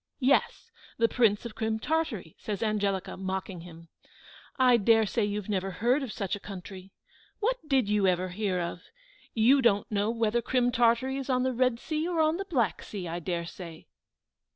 "Yes, the Prince of Crim Tartary," said Angelica, mocking him. "I dare say you never heard of such a country. What did you ever hear of? You don't know whether Crim Tartary is on the Red Sea, or on the Black Sea, I dare say."